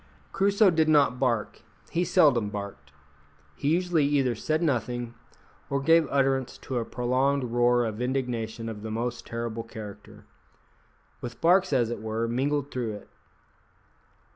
Crusoe did not bark; he seldom barked; he usually either said nothing, or gave utterance to a prolonged roar of indignation of the most terrible character, with barks, as it were, mingled through it.